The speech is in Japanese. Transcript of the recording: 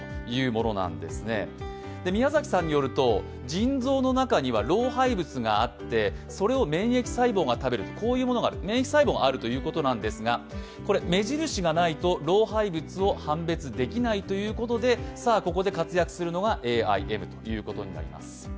腎臓の中には老廃物があって、それを食べる免疫細胞、こういうものがある免疫細胞なんですが目印がないと老廃物を判別できないということで、ここで活躍するのがＡＩＭということになります。